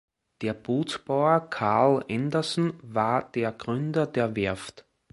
Der Bootsbauer Carl Andersson war der Gründer der Werft.